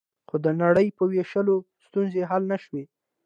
خو د نړۍ په وېشلو ستونزې حل نه شوې